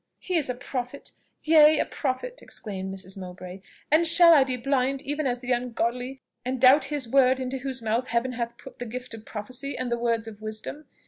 "He is a prophet! yea, a prophet!" exclaimed Mrs. Mowbray; "and shall I be blind even as the ungodly, and doubt his word into whose mouth Heaven hath put the gift of prophecy and the words of wisdom?